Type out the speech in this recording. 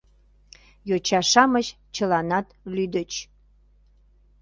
Йоча-шамыч чыланат лӱдыч.